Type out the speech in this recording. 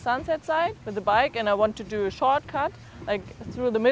saya ingin melakukan pembentukan seperti di tengah tengah